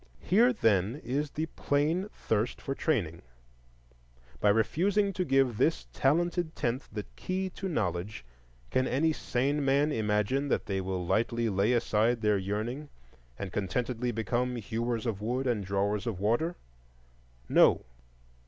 Here, then, is the plain thirst for training; by refusing to give this Talented Tenth the key to knowledge, can any sane man imagine that they will lightly lay aside their yearning and contentedly become hewers of wood and drawers of water? No.